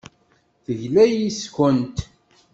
Tegla yes-kent.